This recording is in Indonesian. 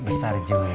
besar juga ya